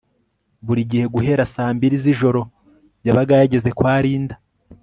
buri gihe guhera nka saa mbiri zijoro yabaga yageze kwa Linda